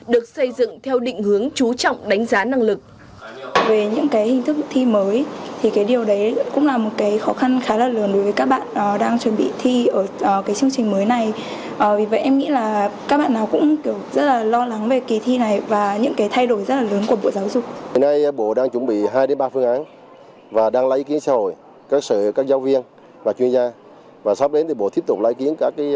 được xây dựng theo định hướng chú trọng đánh giá năng lực